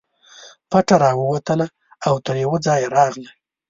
پټه راووتله او تر یوه ځایه راغله.